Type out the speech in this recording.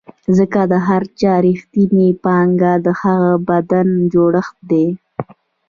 ځکه د هر چا رښتینې پانګه د هغه بدن جوړښت دی.